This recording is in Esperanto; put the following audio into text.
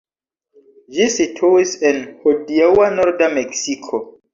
Ĝi situis en hodiaŭa norda Meksiko.